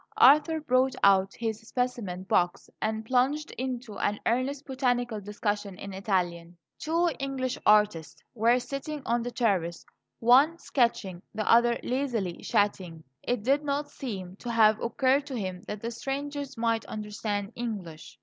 Arthur brought out his specimen box and plunged into an earnest botanical discussion in Italian. Two English artists were sitting on the terrace; one sketching, the other lazily chatting. It did not seem to have occurred to him that the strangers might understand English.